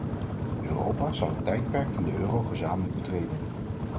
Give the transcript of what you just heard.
Europa zal het tijdperk van de euro gezamenlijk betreden.